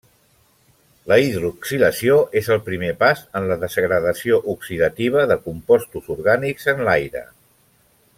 La hidroxilació és el primer pas en la degradació oxidativa de compostos orgànics en l'aire.